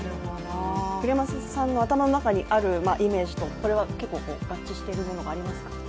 栗山さんの頭の中にあるイメージとこれは合致しているものはありますか？